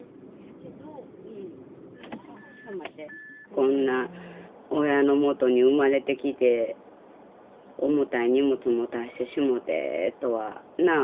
こんな親のもとに生まれてきて重たい荷物持たしてしもてとはなあ。